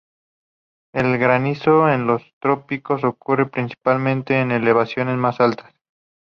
El granizo en los trópicos ocurre principalmente en elevaciones más altas.